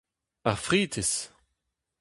Ar fritez !